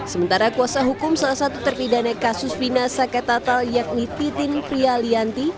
sementara kuasa hukum salah satu terpidane kasus vina sakit tatal yakni titin priyalianti